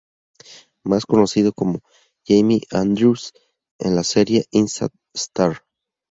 Más conocido como Jamie Andrews en la serie Instant Star.